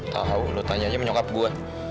tahu lo tanya aja sama nyokap gue